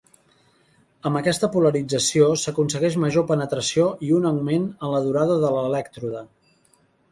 Amb aquesta polarització s'aconsegueix major penetració i un augment en la durada de l'elèctrode.